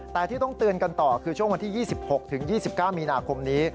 แต่ที่ต้องเตือนกันต่อคือช่วงวันที่๒๖๒๙มีนาคมนี้